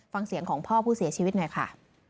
ฟังเสียงของพ่อผู้เสียชีวิตหน่อยค่ะ